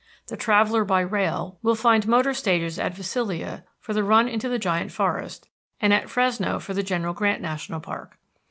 The traveller by rail will find motor stages at Visalia for the run into the Giant Forest, and at Fresno for the General Grant National Park.